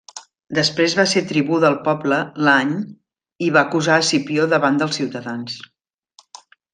Després va ser tribú del poble l'any i va acusar Escipió davant dels ciutadans.